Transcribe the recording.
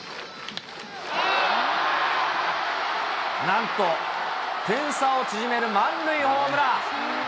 なんと、点差を縮める満塁ホームラン。